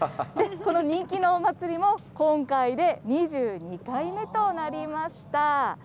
この人気のお祭りも、今回で２２回目となりました。